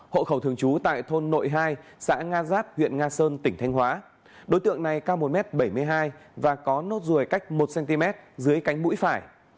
hộ khẩu thường trú tại thôn nội hai xã nga giáp huyện nga sơn tỉnh thanh hóa đối tượng này cao một m bảy mươi hai và có nốt ruồi cách một cm dưới cánh mũi phải